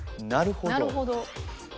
なるほど？